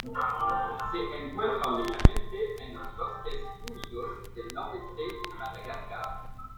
Se encuentra únicamente en los bosques húmedos del nordeste de Madagascar.